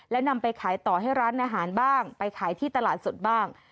แล้วนำไปขายต่อให้ร้านอาหารบ้างไปขายที่ตลาดสดบ้าง